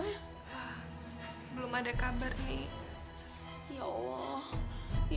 belum ada kabar nih